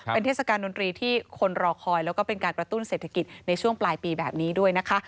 เป็นเทศกาลดนตรีที่คนรอคอยแล้วก็เป็นการกระตุ้นเศรษฐกิจในช่วงปลายปีแบบนี้ด้วยนะคะ